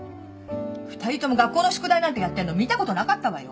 ２人とも学校の宿題なんてやってんの見たことなかったわよ。